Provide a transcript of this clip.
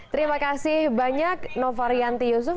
terima kasih banyak nova rianti yusuf